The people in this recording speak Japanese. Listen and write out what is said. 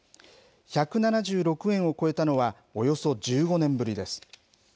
１７６円を超えたのは、およそ１５年ぶりです。